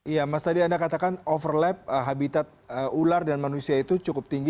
iya mas tadi anda katakan overlap habitat ular dan manusia itu cukup tinggi